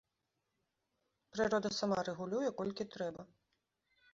Прырода сама рэгулюе, колькі трэба.